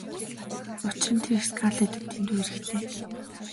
Учир нь тэр Скарлеттад дэндүү хэрэгтэй.